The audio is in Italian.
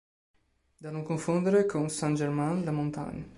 Da non confondere con Saint-Germain-la-Montagne.